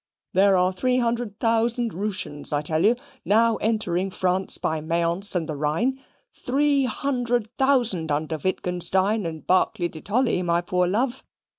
There are three hundred thousand Rooshians, I tell you, now entering France by Mayence and the Rhine three hundred thousand under Wittgenstein and Barclay de Tolly, my poor love.